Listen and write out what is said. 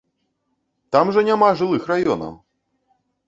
Там жа няма жылых раёнаў!